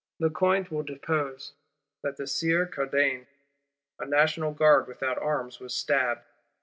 Lecointre will depose that "the Sieur Cardaine, a National Guard without arms, was stabbed."